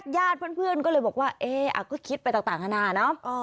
ญาติเพื่อนก็เลยบอกว่าเอ๊ะก็คิดไปต่างนานาเนอะ